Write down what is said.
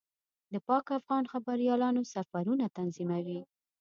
د پاک افغان خبریالانو سفرونه تنظیموي.